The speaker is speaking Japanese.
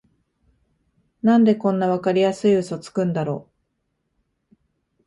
なんでこんなわかりやすいウソつくんだろ